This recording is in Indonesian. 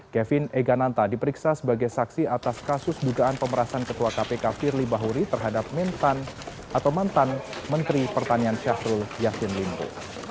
kevin egananta diperiksa sebagai saksi atas kasus dugaan pemerasan ketua kpk firly bahuri terhadap mentan atau mantan menteri pertanian syahrul yassin limpo